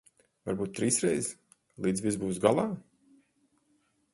Varbūt trīsreiz, līdz viss būs galā.